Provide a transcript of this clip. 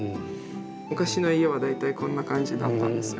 昔の家は大体こんな感じだったんですよ。